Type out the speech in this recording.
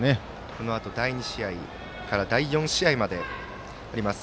このあと第２試合から第４試合まであります。